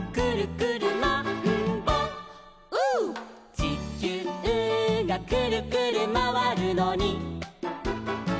「ちきゅうがくるくるまわるのに」